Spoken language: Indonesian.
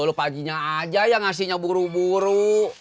lo paginya aja yang ngasihnya buru buru